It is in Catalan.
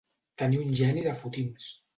Tenir un geni de fotims.